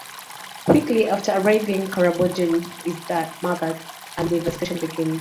Quickly after arriving, Karaboudjan is murdered, and the investigation begins.